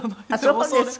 ああそうですか。